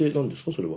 それは。